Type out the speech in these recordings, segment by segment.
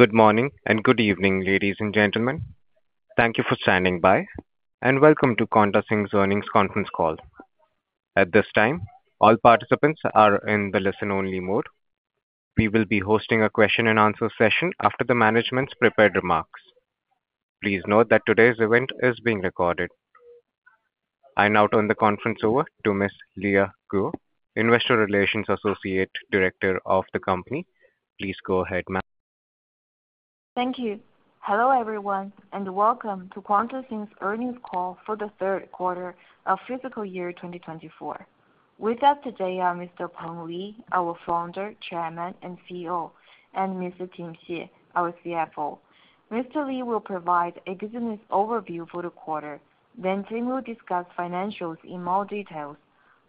Good morning and good evening, ladies and gentlemen. Thank you for standing by, and welcome to QuantaSing's Earnings Conference Call. At this time, all participants are in the listen only mode. We will be hosting a question and answer session after the management's prepared remarks. Please note that today's event is being recorded. I now turn the conference over to Miss Leah Guo, Investor Relations Associate Director of the company. Please go ahead, ma'am. Thank you. Hello, everyone, and welcome to QuantaSing's earnings call for the Q3 of Fiscal year 2024. With us today are Mr. Peng Li, our Founder, Chairman, and CEO, and Mr. Ting Xie, our CFO. Mr. Li will provide a business overview for the quarter, then Ting will discuss financials in more details.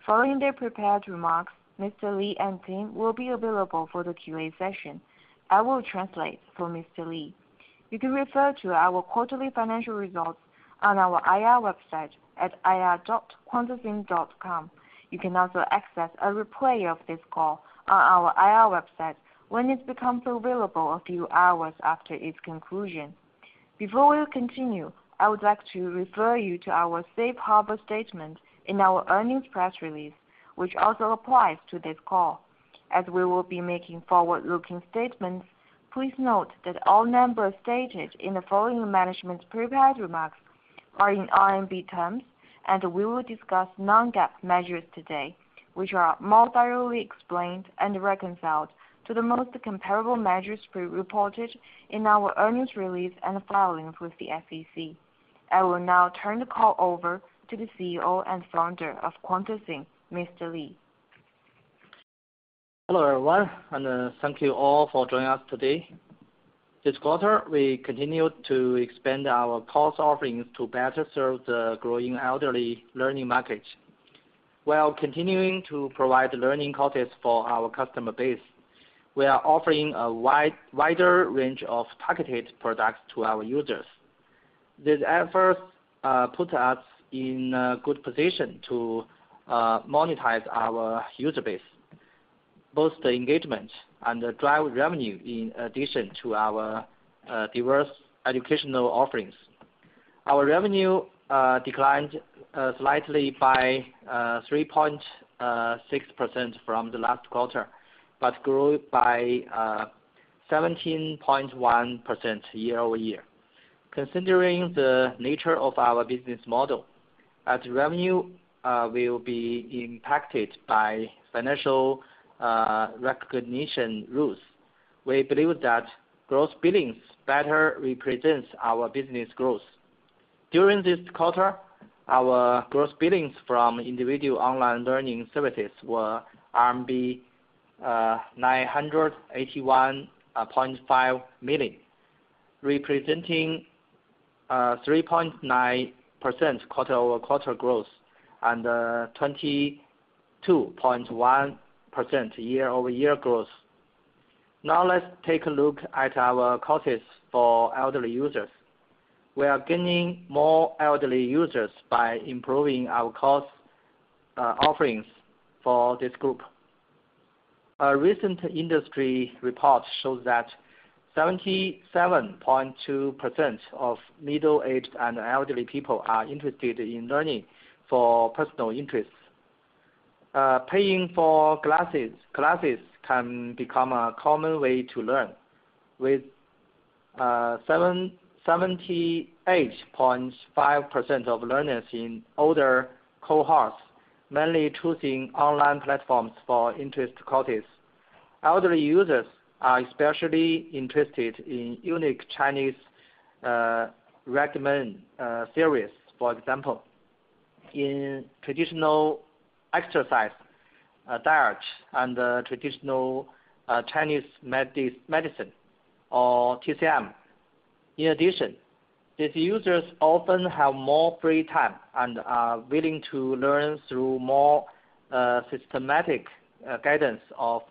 Following their prepared remarks, Mr. Li and Ting will be available for the QA session. I will translate for Mr. Li. You can refer to our quarterly financial results on our IR website at ir.quantasing.com. You can also access a replay of this call on our IR website when it becomes available a few hours after its conclusion. Before we continue, I would like to refer you to our Safe Harbor statement in our earnings press release, which also applies to this call. As we will be making forward-looking statements, please note that all numbers stated in the following management's prepared remarks are in RMB terms, and we will discuss non-GAAP measures today, which are more thoroughly explained and reconciled to the most comparable measures we reported in our earnings release and filings with the SEC. I will now turn the call over to the CEO and founder of QuantaSing, Mr. Li. Hello, everyone, and thank you all for joining us today. This quarter, we continued to expand our course offerings to better serve the growing elderly learning market. While continuing to provide learning courses for our customer base, we are offering a wider range of targeted products to our users. These efforts put us in a good position to monetize our user base, boost the engagement and drive revenue in addition to our diverse educational offerings. Our revenue declined slightly by 3.6% from the last quarter, but grew by 17.1% year-over-year. Considering the nature of our business model, as revenue will be impacted by financial recognition rules, we believe that gross billings better represents our business growth. During this quarter, our gross billings from individual online learning services were RMB 981.5 million, representing 3.9% quarter-over-quarter growth and 22.1% year-over-year growth. Now, let's take a look at our courses for elderly users. We are gaining more elderly users by improving our course offerings for this group. A recent industry report shows that 77.2% of middle-aged and elderly people are interested in learning for personal interests. Paying for classes can become a common way to learn, with 78.5% of learners in older cohorts, mainly choosing online platforms for interest courses. Elderly users are especially interested in unique Chinese regimen series. For example, in traditional exercise, diet, and traditional Chinese medicine or TCM. In addition, these users often have more free time and are willing to learn through more systematic guidance of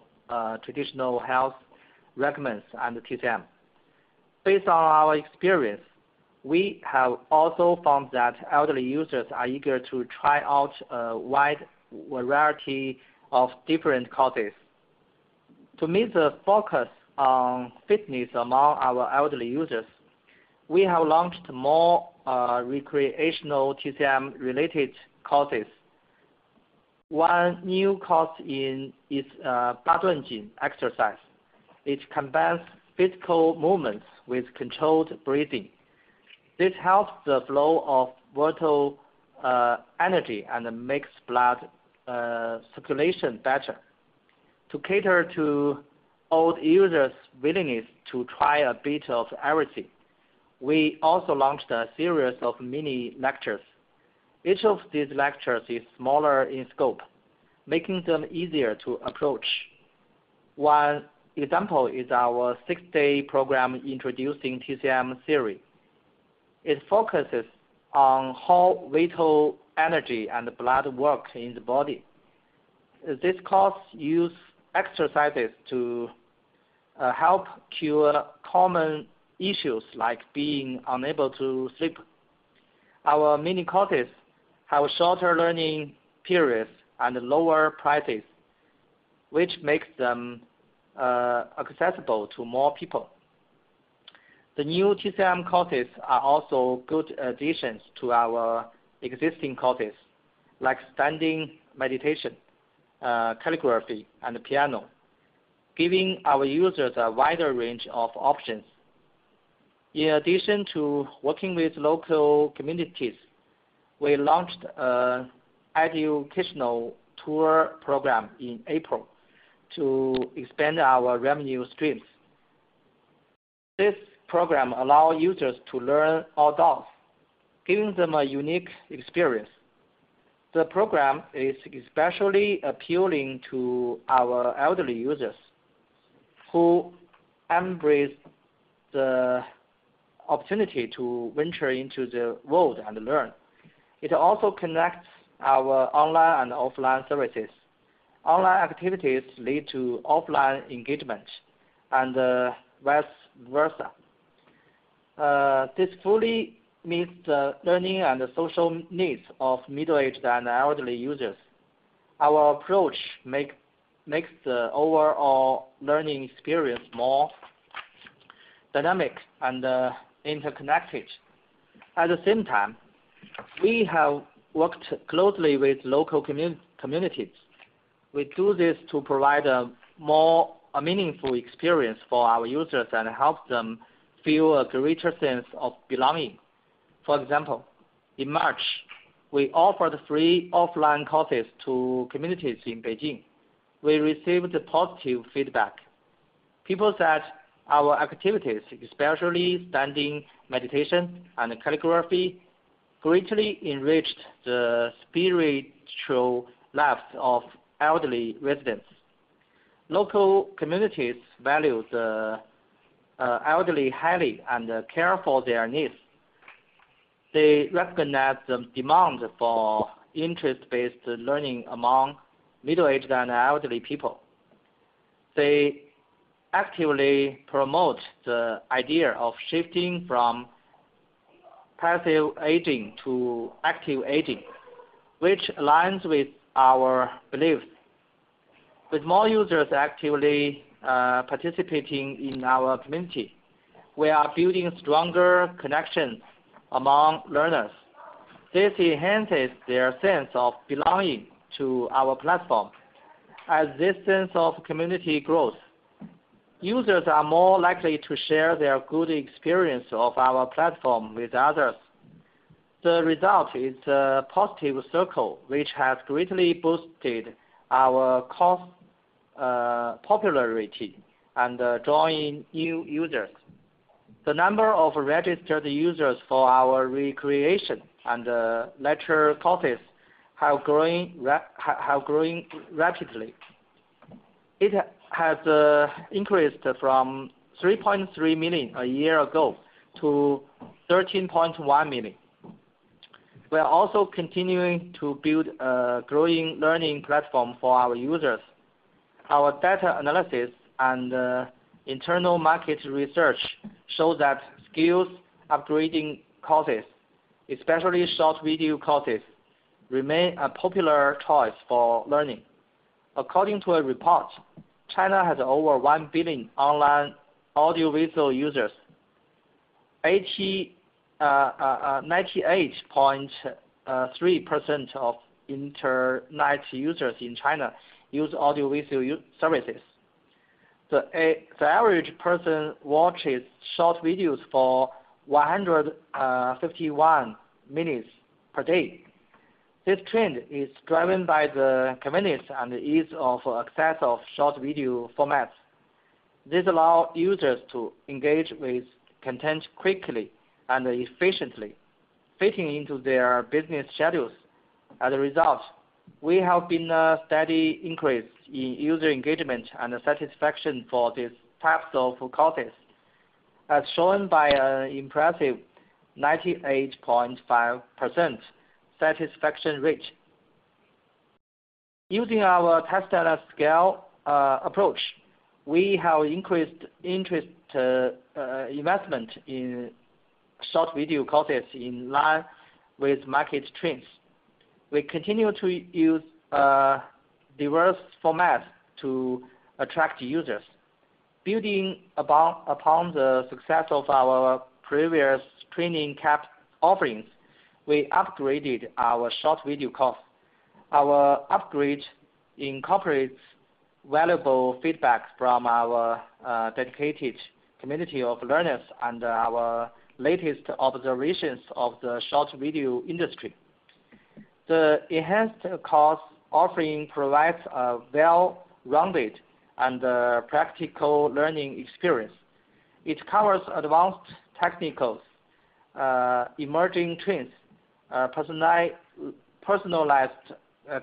traditional health regimens and TCM. Based on our experience, we have also found that elderly users are eager to try out a wide variety of different courses. To meet the focus on fitness among our elderly users, we have launched more recreational TCM-related courses. One new course is Ba Duan Jin exercise. It combines physical movements with controlled breathing. This helps the flow of vital energy and makes blood circulation better. To cater to old users' willingness to try a bit of everything, we also launched a series of mini lectures. Each of these lectures is smaller in scope, making them easier to approach. One example is our six-day program, introducing TCM theory. It focuses on how vital energy and blood works in the body. This course use exercises to help cure common issues, like being unable to sleep. Our mini courses have shorter learning periods and lower prices, which makes them accessible to more people. The new TCM courses are also good additions to our existing courses, like standing meditation, calligraphy, and piano, giving our users a wider range of options. In addition to working with local communities, we launched a educational tour program in April to expand our revenue streams. This program allow users to learn outdoors, giving them a unique experience. The program is especially appealing to our elderly users, who embrace the opportunity to venture into the world and learn. It also connects our online and offline services. Online activities lead to offline engagement, and vice versa. This fully meets the learning and the social needs of middle-aged and elderly users. Our approach makes the overall learning experience more dynamic and interconnected. At the same time, we have worked closely with local communities. We do this to provide a more meaningful experience for our users and help them feel a greater sense of belonging. For example, in March, we offered free offline courses to communities in Beijing. We received a positive feedback. People said our activities, especially standing meditation and calligraphy, greatly enriched the spiritual lives of elderly residents. Local communities value the elderly highly and care for their needs. They recognize the demand for interest-based learning among middle-aged and elderly people. They actively promote the idea of shifting from passive aging to active aging, which aligns with our beliefs. With more users actively participating in our community, we are building stronger connections among learners. This enhances their sense of belonging to our platform. As this sense of community grows, users are more likely to share their good experience of our platform with others. The result is a positive circle, which has greatly boosted our course popularity and drawing new users. The number of registered users for our recreation and leisure courses have growing rapidly. It has increased from 3.3 million a year ago to 13.1 million. We are also continuing to build a growing learning platform for our users. Our data analysis and internal market research show that skills upgrading courses, especially short video courses, remain a popular choice for learning. According to a report, China has over one billion online audio-visual users. 98.3% of internet users in China use audio-visual services. The average person watches short videos for 151 minutes per day. This trend is driven by the convenience and ease of access of short video formats. This allow users to engage with content quickly and efficiently, fitting into their business schedules. As a result, we have been a steady increase in user engagement and satisfaction for these types of courses, as shown by an impressive 98.5% satisfaction rate. Using our test and scale approach, we have increased interest, investment in short video courses in line with market trends. We continue to use diverse formats to attract users. Building upon the success of our previous training camp offerings, we upgraded our short video course. Our upgrade incorporates valuable feedback from our dedicated community of learners and our latest observations of the short video industry. The enhanced course offering provides a well-rounded and practical learning experience. It covers advanced techniques, emerging trends, personalized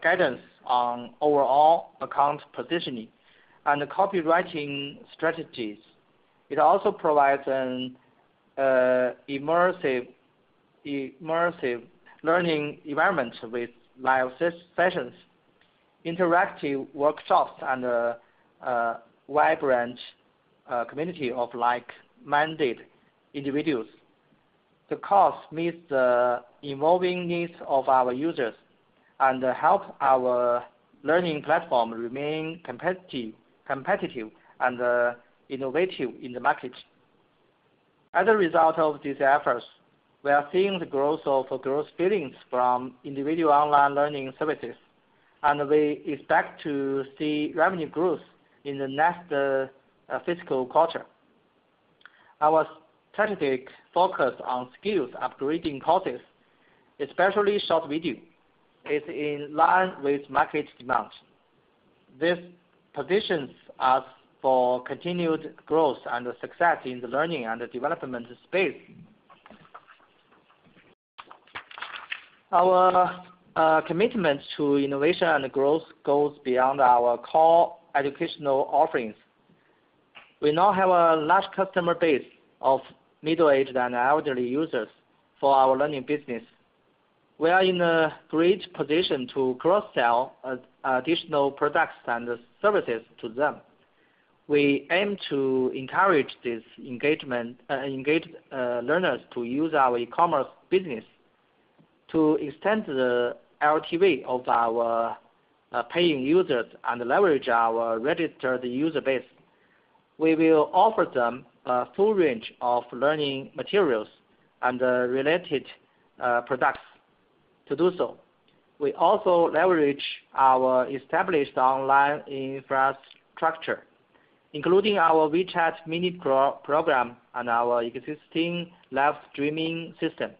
guidance on overall account positioning, and copywriting strategies. It also provides an immersive learning environment with live sessions, interactive workshops and a vibrant community of like-minded individuals. The course meets the evolving needs of our users and help our learning platform remain competitive and innovative in the market. As a result of these efforts, we are seeing the growth of gross billings from individual online learning services, and we expect to see revenue growth in the next Fiscal quarter. Our strategic focus on skills upgrading courses, especially short video, is in line with market demand. This positions us for continued growth and success in the learning and development space. Our commitment to innovation and growth goes beyond our core educational offerings. We now have a large customer base of middle-aged and elderly users for our learning business. We are in a great position to cross-sell additional products and services to them. We aim to encourage this engagement engage learners to use our e-commerce business to extend the LTV of our paying users and leverage our registered user base. We will offer them a full range of learning materials and related products to do so. We also leverage our established online infrastructure, including our WeChat mini program and our existing live streaming system.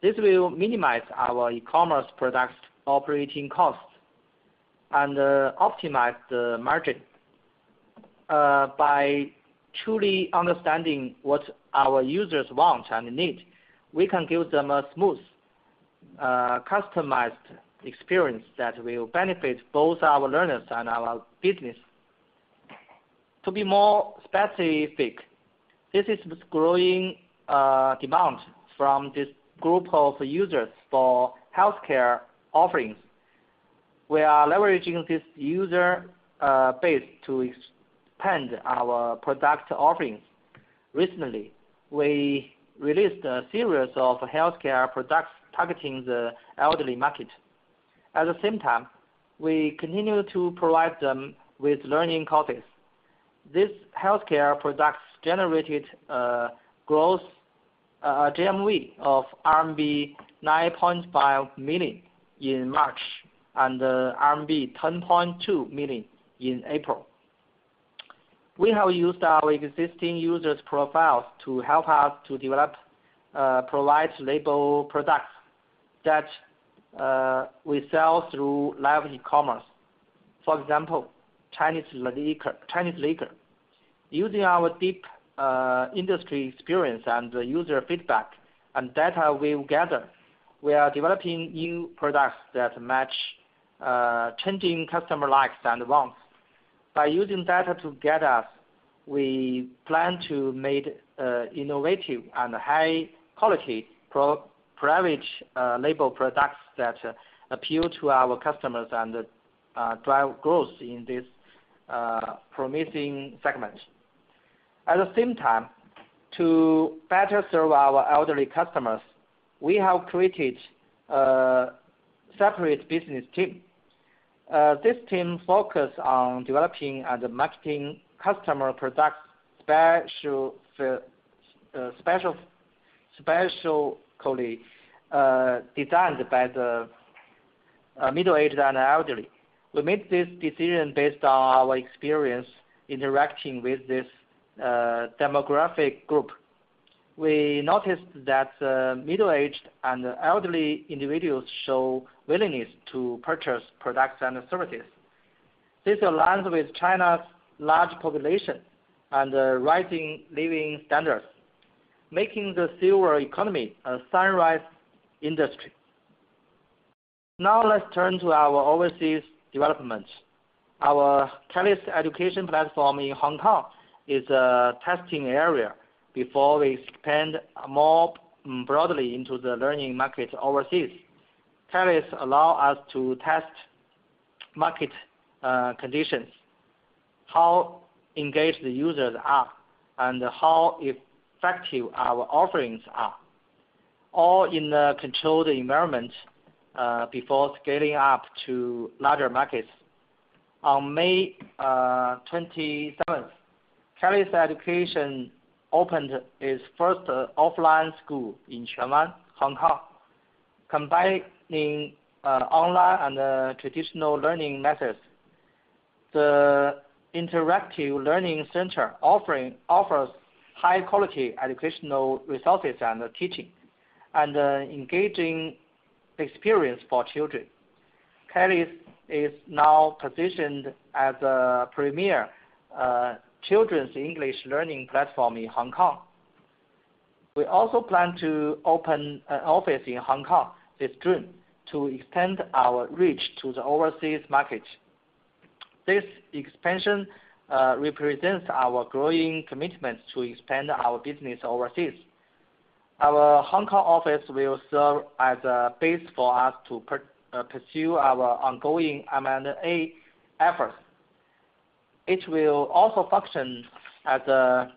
This will minimize our e-commerce product's operating costs and optimize the margin. By truly understanding what our users want and need, we can give them a smooth, customized experience that will benefit both our learners and our business. To be more specific, this is this growing demand from this group of users for healthcare offerings. We are leveraging this user base to expand our product offerings. Recently, we released a series of healthcare products targeting the elderly market. At the same time, we continue to provide them with learning courses. These healthcare products generated gross GMV of RMB 9.5 million in March, and RMB 10.2 million in April. We have used our existing users' profiles to help us to develop private label products that we sell through live e-commerce. For example, Chinese liquor. Using our deep industry experience and user feedback and data we've gathered, we are developing new products that match changing customer likes and wants. By using data to guide us, we plan to make innovative and high quality private label products that appeal to our customers and drive growth in this promising segment. At the same time, to better serve our elderly customers, we have created a separate business team. This team focus on developing and marketing customer products, specially designed by the middle-aged and elderly. We made this decision based on our experience interacting with this demographic group. We noticed that middle-aged and elderly individuals show willingness to purchase products and services. This aligns with China's large population and rising living standards, making the silver economy a sunrise industry. Now, let's turn to our overseas development. Our Kelly's Education platform in Hong Kong is a testing area before we expand more broadly into the learning market overseas. Kelly's Education allows us to test market conditions, how engaged the users are, and how effective our offerings are, all in a controlled environment before scaling up to larger markets. On May twenty-seventh, Kelly's Education opened its first offline school in Sheung Wan, Hong Kong, combining online and traditional learning methods. The interactive learning center offers high quality educational resources and teaching, and an engaging experience for children. Kelly's Education is now positioned as a premier children's English learning platform in Hong Kong. We also plan to open an office in Hong Kong this June to extend our reach to the overseas market. This expansion represents our growing commitment to expand our business overseas. Our Hong Kong office will serve as a base for us to pursue our ongoing M&A efforts. It will also function as a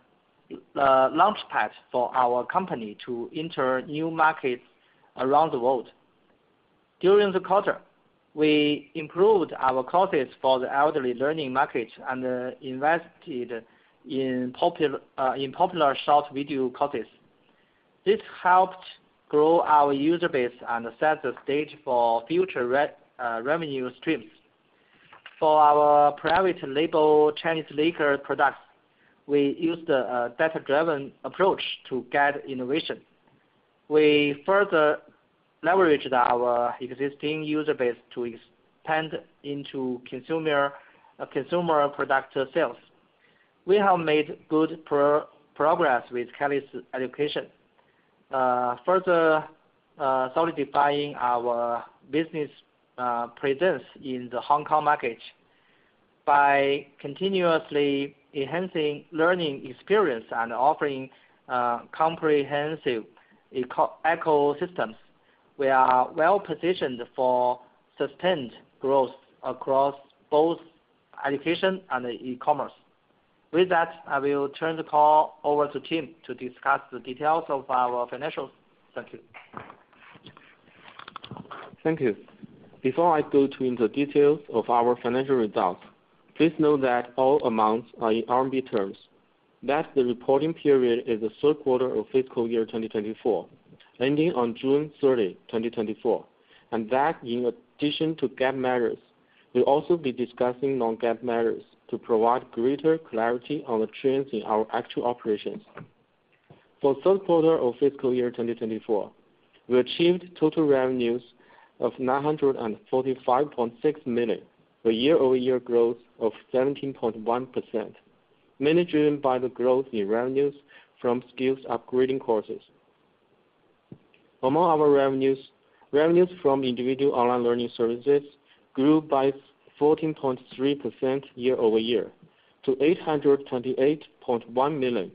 launchpad for our company to enter new markets around the world. During the quarter, we improved our courses for the elderly learning market and invested in popular short video courses. This helped grow our user base and set the stage for future revenue streams. For our private label Chinese liquor products, we used a data-driven approach to guide innovation. We further leveraged our existing user base to expand into consumer product sales. We have made good progress with Kelly's Education, further solidifying our business presence in the Hong Kong market. By continuously enhancing learning experience and offering comprehensive ecosystems, we are well positioned for sustained growth across both education and e-commerce. With that, I will turn the call over to Ting to discuss the details of our financials. Thank you. Thank you. Before I go into the details of our financial results, please note that all amounts are in RMB terms, that the reporting period is the Q3 of Fiscal year 2024, ending on 30 June 2024, and that in addition to GAAP measures, we'll also be discussing non-GAAP measures to provide greater clarity on the trends in our actual operations. For Q3 of Fiscal year 2024, we achieved total revenues of 945.6 million, a year-over-year growth of 17.1%, mainly driven by the growth in revenues from skills upgrading courses. Among our revenues, revenues from individual online learning services grew by 14.3% year-over-year to RMB 828.1 million,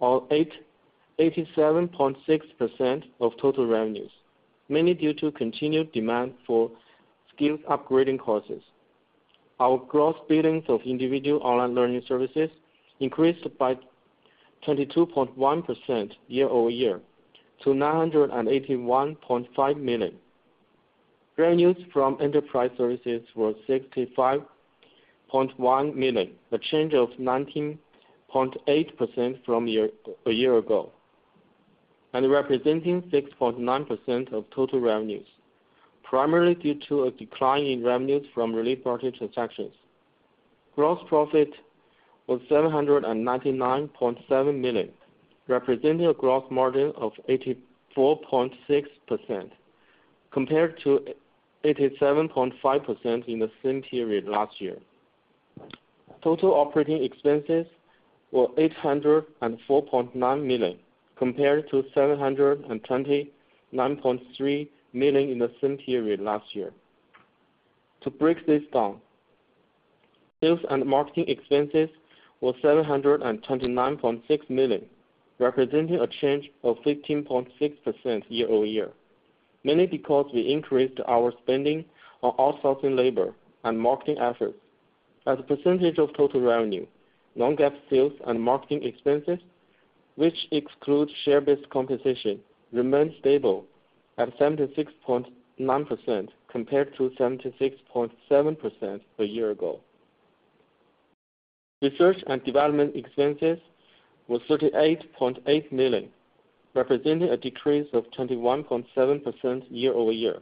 or 87.6% of total revenues, mainly due to continued demand for skills upgrading courses. Our gross billings of individual online learning services increased by 22.1% year-over-year to 981.5 million. Revenues from enterprise services were 65.1 million, a change of 19.8% from a year ago, and representing 6.9% of total revenues, primarily due to a decline in revenues from third-party transactions. Gross profit was 799.7 million, representing a gross margin of 84.6% compared to 87.5% in the same period last year. Total operating expenses were 804.9 million, compared to 729.3 million in the same period last year. To break this down, sales and marketing expenses were 729.6 million, representing a change of 15.6% year-over-year, mainly because we increased our spending on outsourcing labor and marketing efforts. As a percentage of total revenue, non-GAAP sales and marketing expenses, which excludes share-based compensation, remained stable at 76.9%, compared to 76.7% a year ago. Research and development expenses was 38.8 million, representing a decrease of 21.7% year-over-year,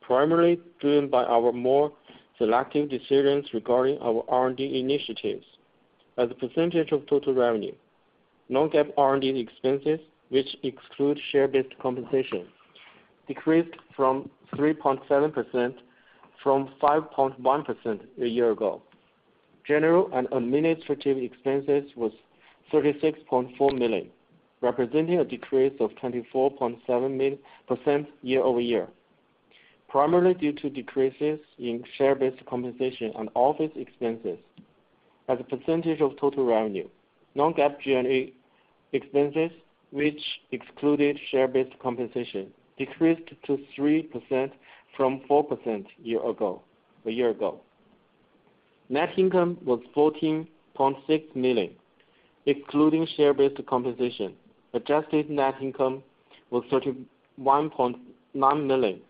primarily driven by our more selective decisions regarding our R&D initiatives. As a percentage of total revenue, non-GAAP R&D expenses, which exclude share-based compensation, decreased from 3.7% from 5.1% a year ago. General and administrative expenses was 36.4 million, representing a decrease of 24.7% year-over-year, primarily due to decreases in share-based compensation and office expenses. As a percentage of total revenue, non-GAAP G&A expenses, which excluded share-based compensation, decreased to 3% from 4% a year ago, a year ago. Net income was 14.6 million, excluding share-based compensation. Adjusted net income was 31.9 million,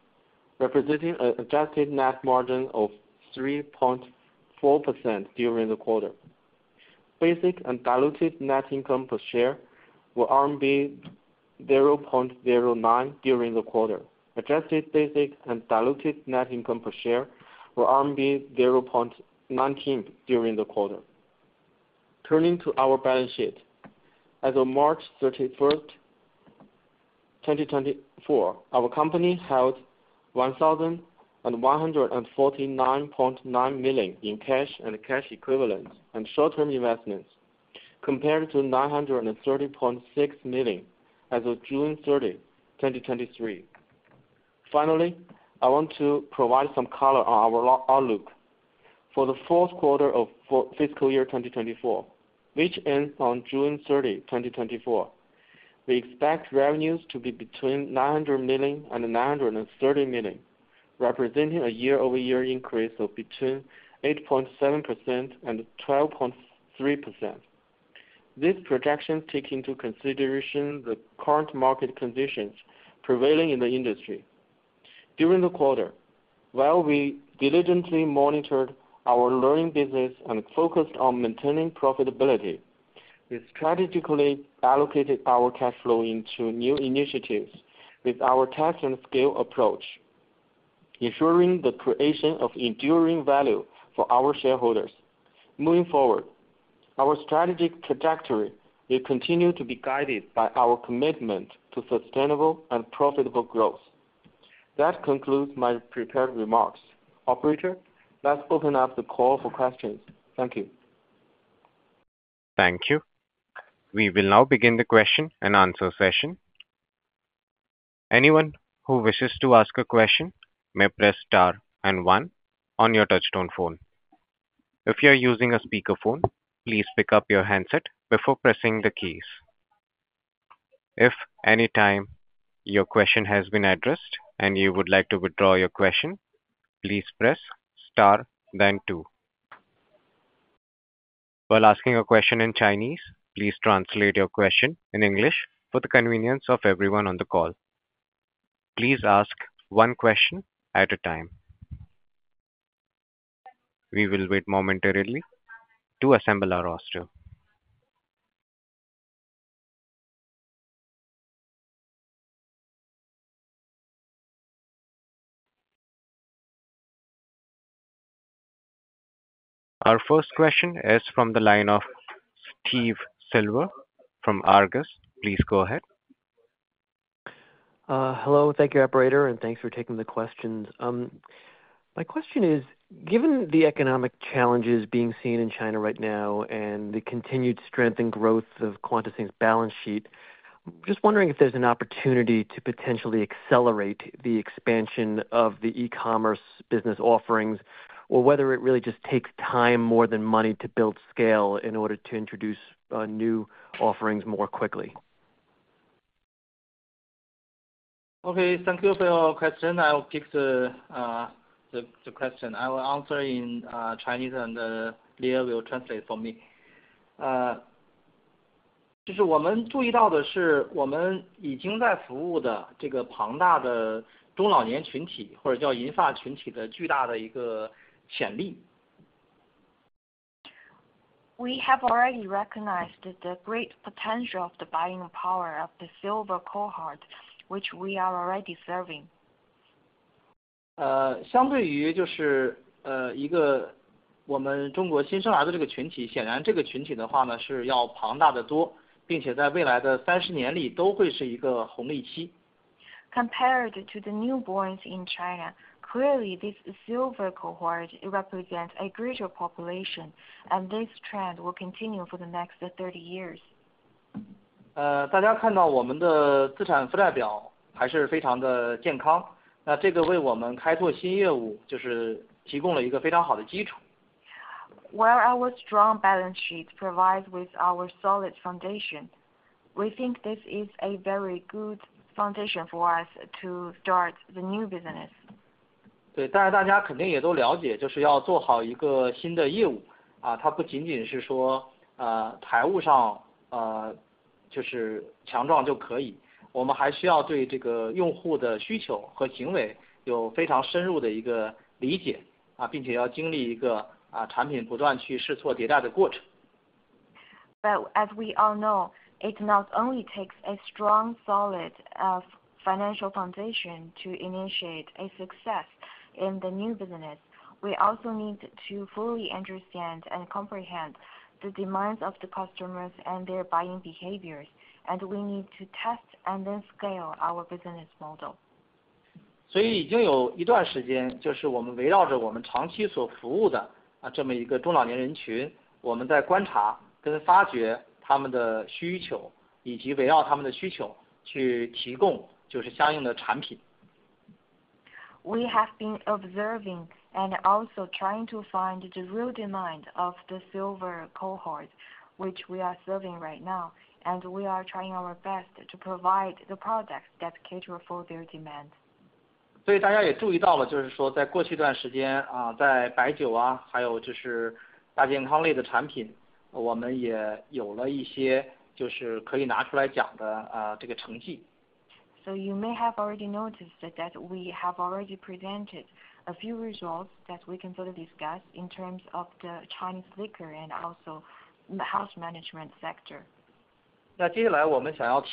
representing an adjusted net margin of 3.4% during the quarter. Basic and diluted net income per share were 0.09 during the quarter. Adjusted basic and diluted net income per share were 0.19 during the quarter. Turning to our balance sheet. As of 31 March 2024, our company held 1,149.9 million in cash and cash equivalents and short-term investments, compared to 930.6 million as of 30 June 2023. Finally, I want to provide some color on our outlook. For the fourth quarter of Fiscal year 2024, which ends on 30 June 2024, we expect revenues to be between 900 million and 930 million, representing a year-over-year increase of between 8.7% and 12.3%. These projections take into consideration the current market conditions prevailing in the industry. During the quarter, while we diligently monitored our learning business and focused on maintaining profitability, we strategically allocated our cash flow into new initiatives with our test and scale approach, ensuring the creation of enduring value for our shareholders. Moving forward, our strategic trajectory will continue to be guided by our commitment to sustainable and profitable growth. That concludes my prepared remarks. Operator, let's open up the call for questions. Thank you. Thank you. We will now begin the question and answer session. Anyone who wishes to ask a question may press star and one on your touchtone phone. If you are using a speakerphone, please pick up your handset before pressing the keys. If any time your question has been addressed and you would like to withdraw your question, please press star, then two. While asking a question in Chinese, please translate your question in English for the convenience of everyone on the call. Please ask one question at a time. We will wait momentarily to assemble our roster. Our first question is from the line of Steve Silver from Argus. Please go ahead. Hello, thank you, operator, and thanks for taking the questions. My question is, given the economic challenges being seen in China right now and the continued strength and growth of QuantaSing's balance sheet, just wondering if there's an opportunity to potentially accelerate the expansion of the e-commerce business offerings, or whether it really just takes time more than money to build scale in order to introduce new offerings more quickly? Okay, thank you for your question. I'll keep the question. I will answer in Chinese, and Leah will translate for me. We have already recognized the great potential of the buying power of the silver cohort, which we are already serving. Compared to the newborns in China, clearly, this silver cohort represents a greater population, and this trend will continue for the next 30 years. While our strong balance sheet provides with our solid foundation, we think this is a very good foundation for us to start the new business. Well, as we all know, it not only takes a strong, solid financial foundation to initiate a success in the new business. We also need to fully understand and comprehend the demands of the customers and their buying behaviors, and we need to test and then scale our business model. We have been observing and also trying to find the real demand of the silver cohort, which we are serving right now, and we are trying our best to provide the products that cater for their demands. So you may have already noticed that we have already presented a few results that we can further discuss in terms of the Chinese liquor and also the house management sector. We are also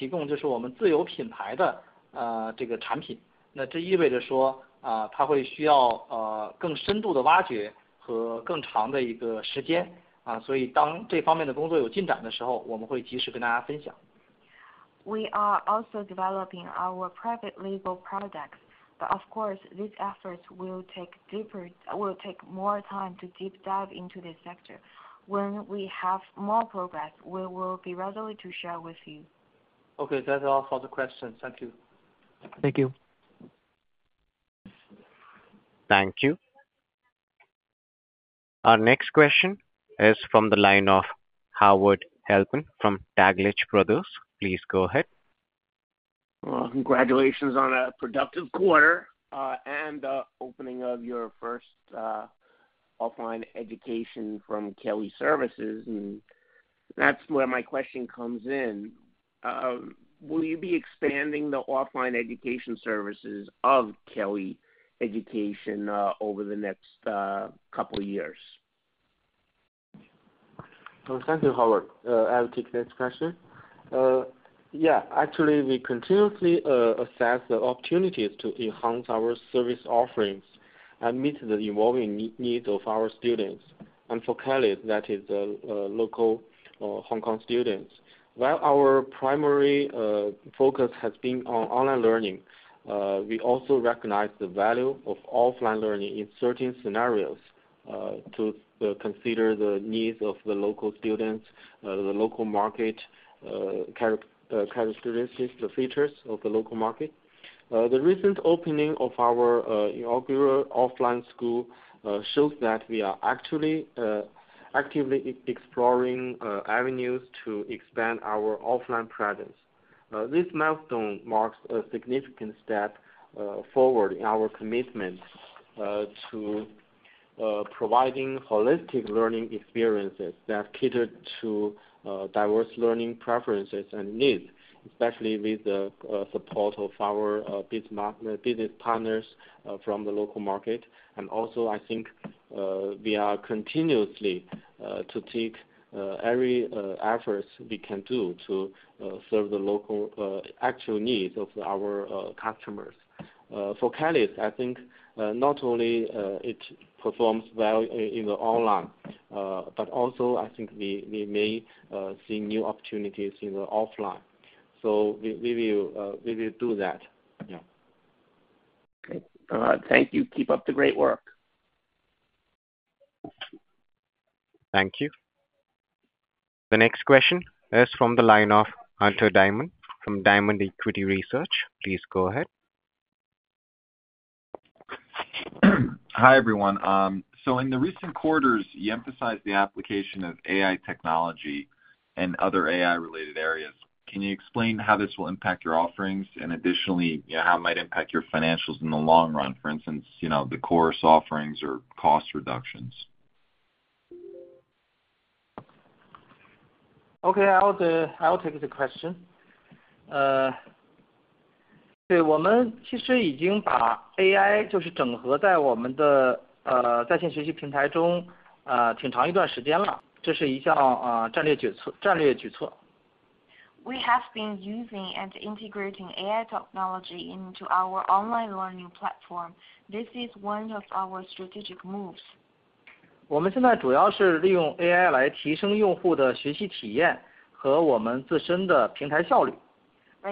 developing our private label products, but of course, these efforts will take more time to deep dive into this sector. When we have more progress, we will be ready to share with you. Okay, that's all for the question. Thank you. Thank you. Thank you. Our next question is from the line of Howard Halpern from Taglich Brothers. Please go ahead. Well, congratulations on a productive quarter, and the opening of your first offline education from Kelly's Education, and that's where my question comes in. Will you be expanding the offline education services of Kelly's Education over the next couple of years? Thank you, Howard. I'll take this question. Yeah, actually, we continuously assess the opportunities to enhance our service offerings and meet the evolving needs of our students. And for Kelly, that is local Hong Kong students. While our primary focus has been on online learning, we also recognize the value of offline learning in certain scenarios to consider the needs of the local students, the local market characteristics, the features of the local market. The recent opening of our inaugural offline school shows that we are actually actively exploring avenues to expand our offline presence. This milestone marks a significant step forward in our commitment to providing holistic learning experiences that cater to diverse learning preferences and needs, especially with the support of our business partners from the local market. And also, I think, we are continuously to take every efforts we can do to serve the local actual needs of our customers. For Kelly, I think not only it performs well in the online, but also I think we may see new opportunities in the offline. So we will do that. Yeah. Okay. Thank you. Keep up the great work. Thank you. The next question is from the line of Hunter Diamond, from Diamond Equity Research. Please go ahead. Hi, everyone. In the recent quarters, you emphasized the application of AI technology and other AI-related areas. Can you explain how this will impact your offerings, and additionally, you know, how it might impact your financials in the long run, for instance, you know, the course offerings or cost reductions? Okay, I will take the question. We have been using and integrating AI technology into our online learning platform. This is one of our strategic moves. Right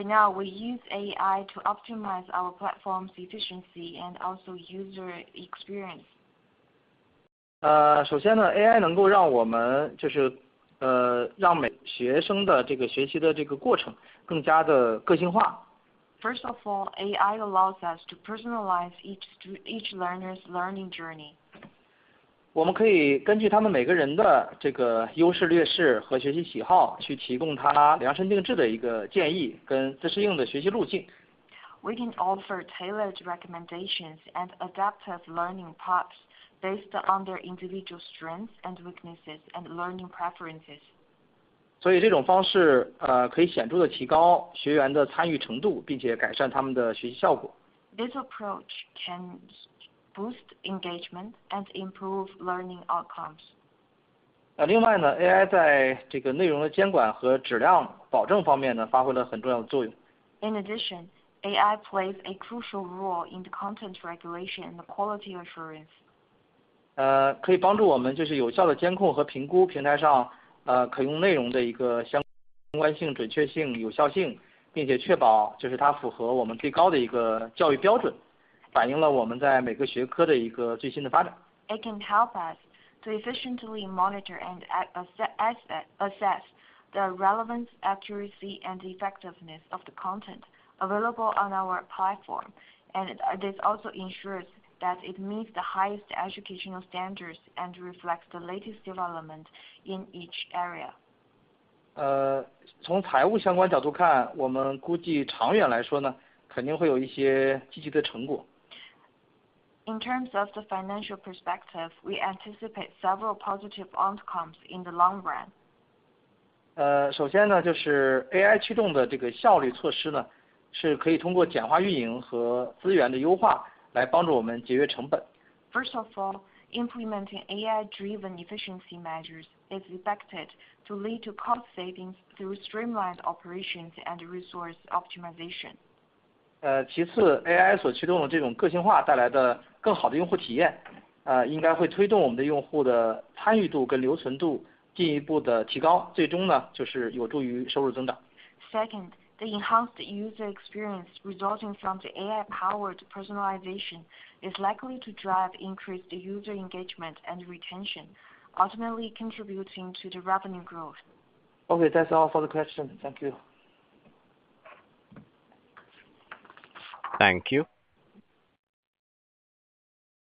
now, we use AI to optimize our platform's efficiency and also user experience. First of all, AI allows us to personalize each learner's learning journey. We can offer tailored recommendations and adaptive learning paths based on their individual strengths and weaknesses and learning preferences. This approach can boost engagement and improve learning outcomes. In addition, AI plays a crucial role in the content regulation and quality assurance. It can help us to efficiently monitor and assess the relevance, accuracy and effectiveness of the content available on our platform. And, this also ensures that it meets the highest educational standards and reflects the latest development in each area. In terms of the financial perspective, we anticipate several positive outcomes in the long run. First of all, implementing AI-driven efficiency measures is expected to lead to cost savings through streamlined operations and resource optimization. Second, the enhanced user experience resulting from the AI-powered personalization is likely to drive increased user engagement and retention, ultimately contributing to the revenue growth. Okay, that's all for the question. Thank you. Thank you.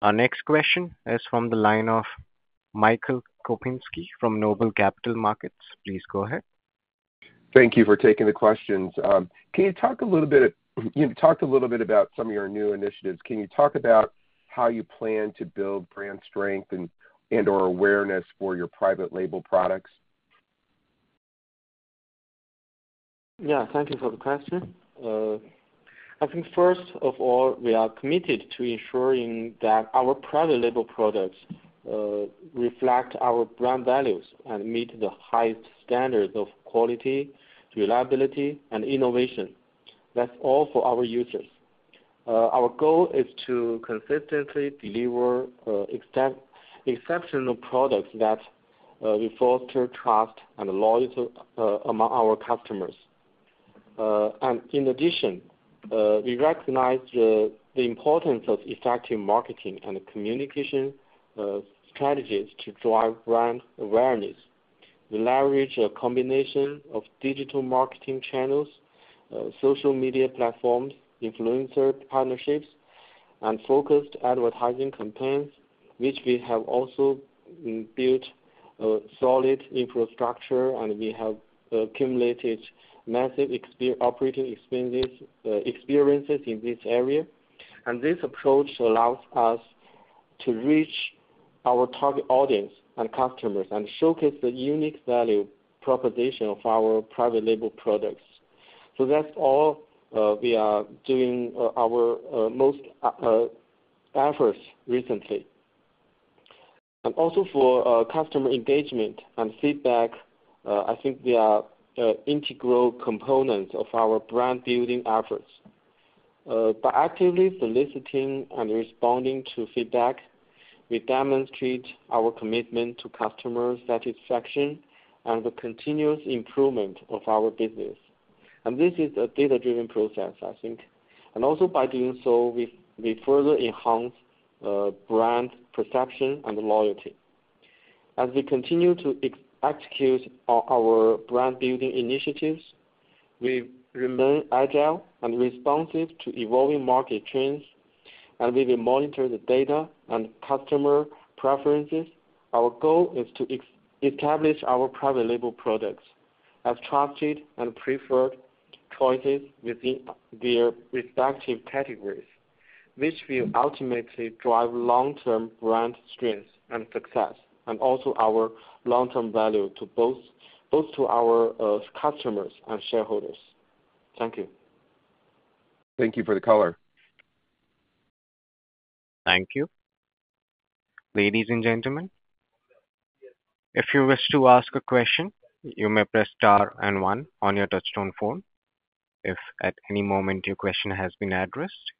Our next question is from the line of Michael Kupinski from Noble Capital Markets. Please go ahead. Thank you for taking the questions. Can you talk a little bit. You've talked a little bit about some of your new initiatives. Can you talk about how you plan to build brand strength and, and/or awareness for your private label products? Yeah, thank you for the question. I think first of all, we are committed to ensuring that our private label products reflect our brand values and meet the highest standards of quality, reliability, and innovation. That's all for our users. Our goal is to consistently deliver exceptional products that we foster trust and loyalty among our customers. And in addition, we recognize the importance of effective marketing and communication strategies to drive brand awareness. We leverage a combination of digital marketing channels, social media platforms, influencer partnerships, and focused advertising campaigns, which we have also built a solid infrastructure, and we have accumulated massive operating experiences, experiences in this area. And this approach allows us to reach our target audience and customers and showcase the unique value proposition of our private label products. So that's all we are doing our most efforts recently. Also for customer engagement and feedback, I think we are integral components of our brand building efforts. By actively soliciting and responding to feedback, we demonstrate our commitment to customer satisfaction and the continuous improvement of our business. This is a data-driven process, I think. Also by doing so, we further enhance brand perception and loyalty. As we continue to execute our brand building initiatives, we remain agile and responsive to evolving market trends, and we will monitor the data and customer preferences. Our goal is to establish our private label products as trusted and preferred choices within their respective categories, which will ultimately drive long-term brand strength and success, and also our long-term value to both our customers and shareholders. Thank you. Thank you for the color. Thank you. Ladies and gentlemen, if you wish to ask a question, you may press Star and One on your touchtone phone. If at any moment your question has been addressed,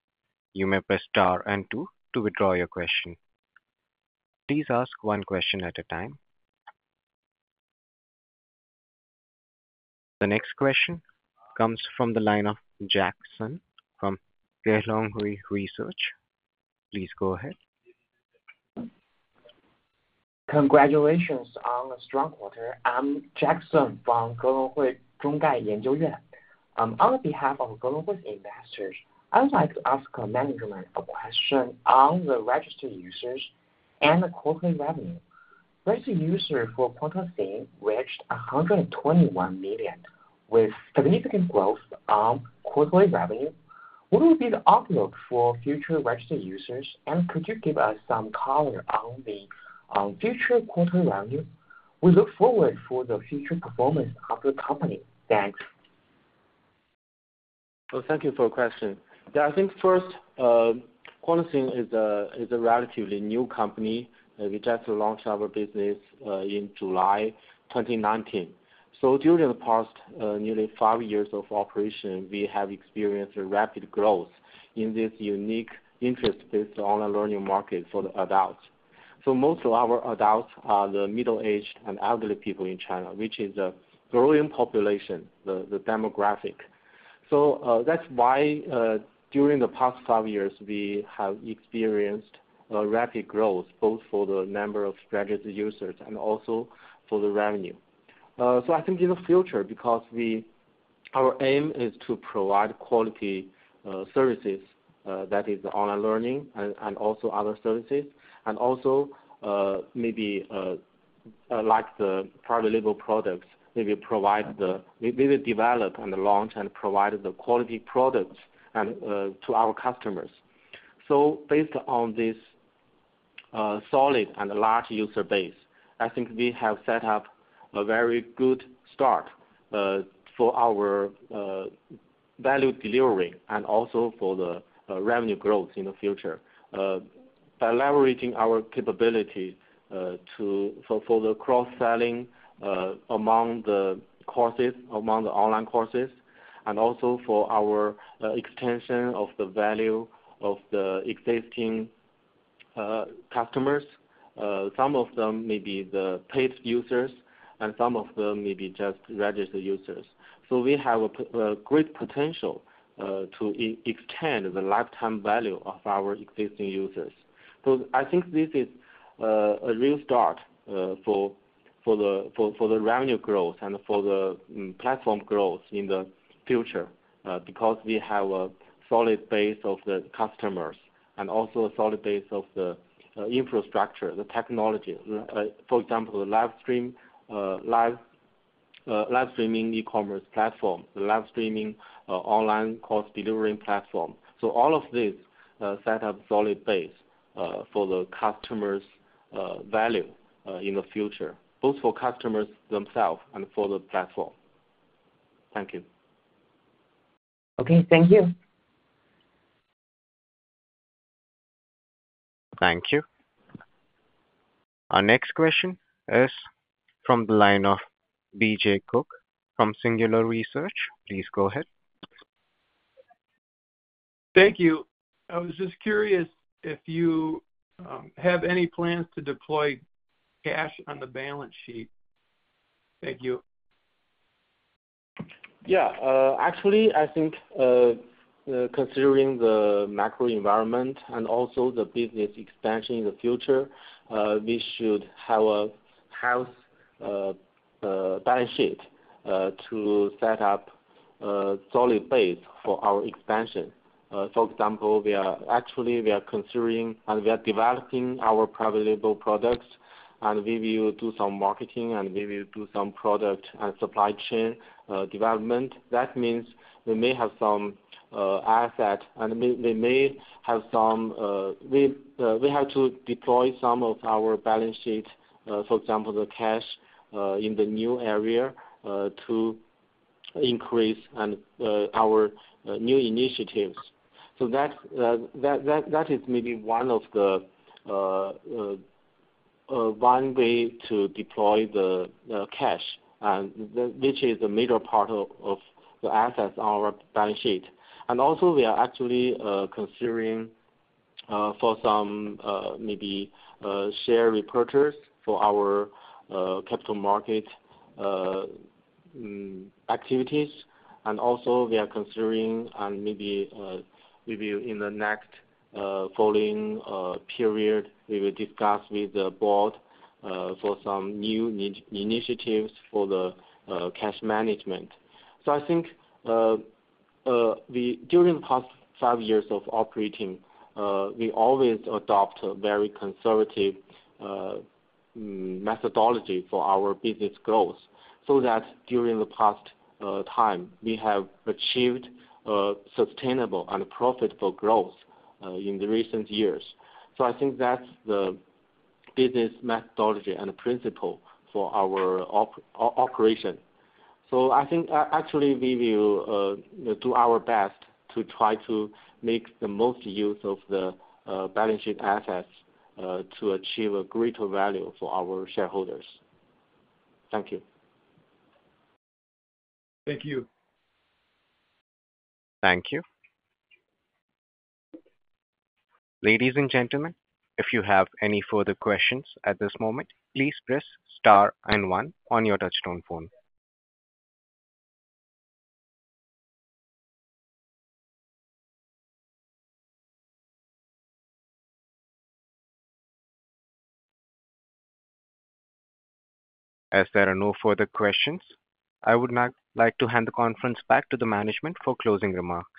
you may press Star and Two to withdraw your question. Please ask one question at a time. The next question comes from the line of Jack Sun from Gelonghui Research. Please go ahead. Congratulations on a strong quarter. I'm Jack Sun from Gelonghui. On behalf of Gelonghui investors, I'd like to ask management a question on the registered users and the quarterly revenue. Registered user for QuantaSing reached 121 million, with significant growth on quarterly revenue. What will be the outlook for future registered users, and could you give us some color on the future quarter revenue? We look forward for the future performance of the company. Thanks. Well, thank you for your question. Yeah, I think first, QuantaSing is a, is a relatively new company. We just launched our business in July 2019. So during the past nearly five years of operation, we have experienced a rapid growth in this unique interest-based learning market for adults. So most of our adults are the middle-aged and elderly people in China, which is a growing population, the demographic. So, that's why during the past five years, we have experienced a rapid growth, both for the number of registered users and also for the revenue. So I think in the future, because our aim is to provide quality services, that is online learning and also other services, and also maybe like the private label products, we will develop and launch and provide the quality products to our customers. So based on this solid and large user base, I think we have set up a very good start for our value delivery and also for the revenue growth in the future. By leveraging our capability for the cross-selling among the courses, among the online courses, and also for our extension of the value of the existing customers, some of them may be the paid users, and some of them may be just registered users. So we have a great potential to extend the lifetime value of our existing users. So I think this is a real start for the revenue growth and for the platform growth in the future because we have a solid base of the customers and also a solid base of the infrastructure, the technology. For example, the live streaming e-commerce platform, the live streaming online course delivering platform. So all of these set up solid base for the customers value in the future, both for customers themselves and for the platform. Thank you. Okay, thank you. Thank you. Our next question is from the line of BJ Cook from Singular Research. Please go ahead. Thank you. I was just curious if you have any plans to deploy cash on the balance sheet? Thank you. Yeah. Actually, I think, considering the macro environment and also the business expansion in the future, we should have a healthy balance sheet to set up a solid base for our expansion. For example, actually, we are considering and we are developing our private label products, and we will do some marketing, and we will do some product and supply chain development. That means we may have some asset, and we may have some, we have to deploy some of our balance sheet, for example, the cash, in the new area, to increase and our new initiatives. So that is maybe one way to deploy the cash, and which is a major part of the assets on our balance sheet. And also, we are actually considering for some maybe share repurchases for our capital market activities. And also we are considering and maybe in the next following period, we will discuss with the board for some new initiatives for the cash management. So I think we during the past five years of operating we always adopt a very conservative methodology for our business growth, so that during the past time, we have achieved sustainable and profitable growth in the recent years. So I think that's the business methodology and principle for our operation. So I think, actually, we will do our best to try to make the most use of the balance sheet assets to achieve a greater value for our shareholders. Thank you. Thank you. Thank you. Ladies and gentlemen, if you have any further questions at this moment, please press star and one on your touch-tone phone. As there are no further questions, I would now like to hand the conference back to the management for closing remarks.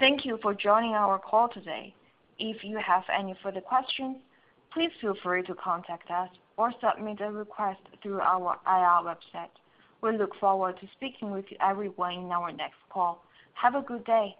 Thank you for joining our call today. If you have any further questions, please feel free to contact us or submit a request through our IR website. We look forward to speaking with you, everyone, in our next call. Have a good day!